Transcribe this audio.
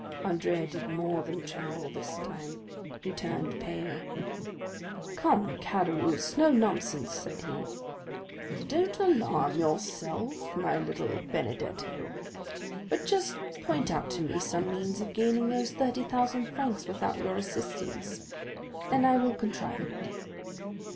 Andrea did more than tremble this time, he turned pale. "Come, Caderousse, no nonsense!" said he. "Don't alarm yourself, my little Benedetto, but just point out to me some means of gaining those thirty thousand francs without your assistance, and I will contrive it."